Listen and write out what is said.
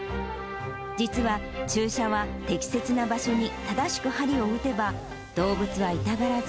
実は注射は適切な場所に正しく針を打てば、動物は痛がらず、